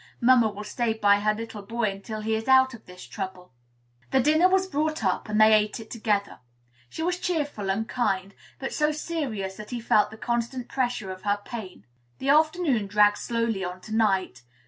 Mamma will stay by her little boy until he is out of this trouble." The dinner was brought up, and they ate it together. She was cheerful and kind, but so serious that he felt the constant pressure of her pain. The afternoon dragged slowly on to night.